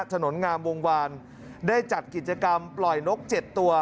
ถนนงามวงวานได้จัดกิจกรรมปล่อยนก๗ตัว